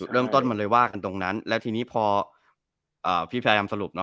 เริ่มต้นมันเลยว่ากันตรงนั้นแล้วทีนี้พอพี่แพรนำสรุป